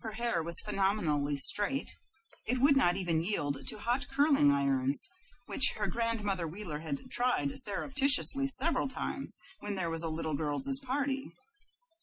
Her hair was phenomenally straight. It would not even yield to hot curling irons, which her grandmother Wheeler had tried surreptitiously several times when there was a little girls' party.